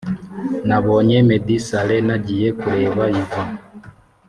Nabonye meddy saleh nagiye kureba Yvan